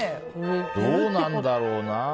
どうなんだろうな。